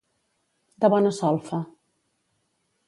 De bona solfa.